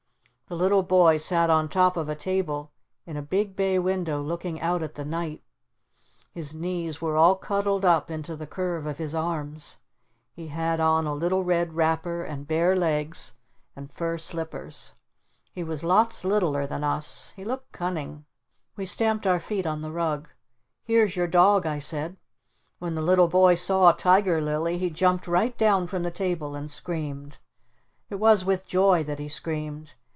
The little boy sat on top of a table in a big bay window looking out at the night. His knees were all cuddled up into the curve of his arms. He had on a little red wrapper and bare legs and fur slippers. He was lots littler than us. He looked cunning. We stamped our feet on the rug. "Here's your dog!" I said. When the little boy saw Tiger Lilly he jumped right down from the table and screamed. It was with joy that he screamed.